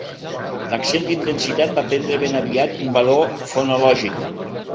L'accent d'intensitat va prendre ben aviat un valor fonològic.